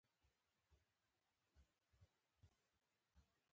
نور مې له سارا زړه راټول کړ.